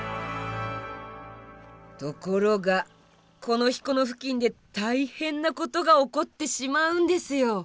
ところがこの日この付近で大変なことが起こってしまうんですよ！